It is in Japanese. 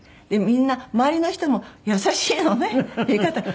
みんな周りの人も優しいのね言い方が。